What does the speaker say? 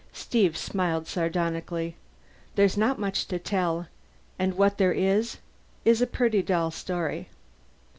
Steve smiled sardonically. "There's not much to tell, and what there is is a pretty dull story.